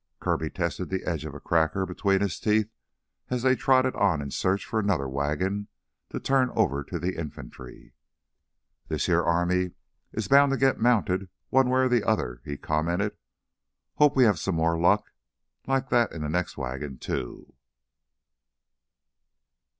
Kirby tested the edge of a cracker between his teeth as they trotted on in search for another wagon to turn over to the infantry. "This heah army is bound to git mounted, one way or the other," he commented. "Hope we have some more luck like that in the next wagon, too."